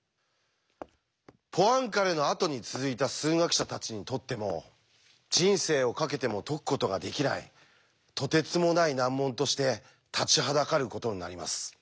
ポアンカレのあとに続いた数学者たちにとっても人生をかけても解くことができないとてつもない難問として立ちはだかることになります。